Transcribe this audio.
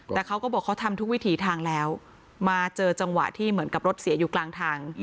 แต่เขาก็บอกเขาทำทุกวิถีทางแล้วมาเจอจังหวะที่เหมือนกับรถเสียอยู่กลางทาง